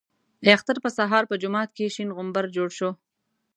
د اختر په سهار په جومات کې شین غومبر جوړ شو.